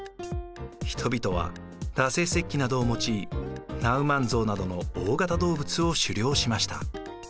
人々は打製石器などを用いナウマンゾウなどの大型動物を狩猟しました。